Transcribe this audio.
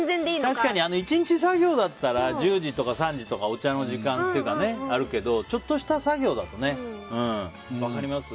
１日作業だったら１０時とか３時とかお茶の時間とかあるけどちょっとした作業だったらね。